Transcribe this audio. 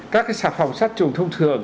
các cái sạc phòng sát trùng thông thường